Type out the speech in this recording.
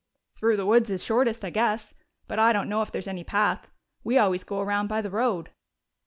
"Through the woods is shortest, I guess. But I don't know if there's any path. We always go around by the road."